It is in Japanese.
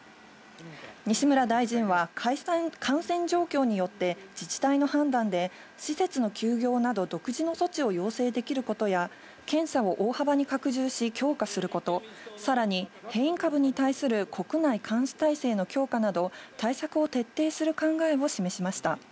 西村大臣は、感染状況によって、自治体の判断で施設の休業など独自の措置を要請できることや、検査を大幅に拡充し、強化すること、さらに、変異株に対する国内監視体制の強化など、対策を徹底する考えを示しました。